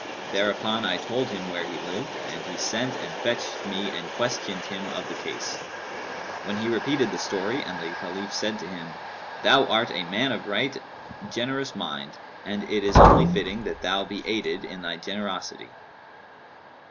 Thereupon I told him where he lived and he sent and fetched him and questioned him of the case; when he repeated the story and the Caliph said to him, 'Thou art a man of right generous mind, and it is only fitting that thou be aided in thy generosity.'